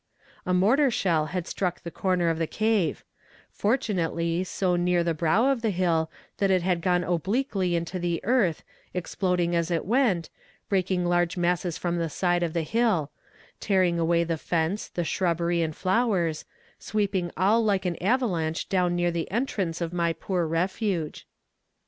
"A mortar shell had struck the corner of the cave; fortunately, so near the brow of the hill, that it had gone obliquely into the earth, exploding as it went, breaking large masses from the side of the hill tearing away the fence, the shrubbery and flowers sweeping all like an avalanche down near the entrance of my poor refuge.